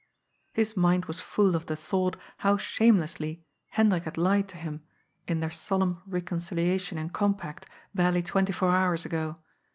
His mind was full of the thought how shame lessly Hendrik had lied to him in their solemn reconcilia tion and compact, barely twenty four hours ago.